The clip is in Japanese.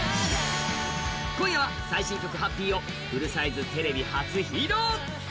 今夜は最新曲「ＨＡＰＰＹ」をフルサイズテレビ初披露。